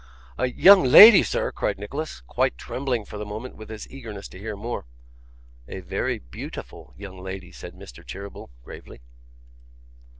'A young lady, sir!' cried Nicholas, quite trembling for the moment with his eagerness to hear more. 'A very beautiful young lady,' said Mr. Cheeryble, gravely.